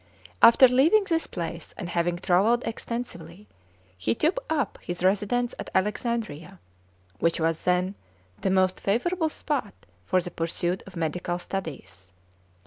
After leaving this place and having travelled extensively, he took up his residence at Alexandria, which was then the most favourable spot for the pursuit of medical studies.